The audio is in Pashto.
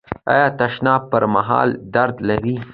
ایا د تشناب پر مهال درد لرئ؟